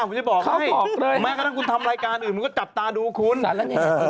ผมจะบอกให้แม้กระทั่งคุณทำรายการอื่นมึงก็จับตาดูคุณเขาบอกเลย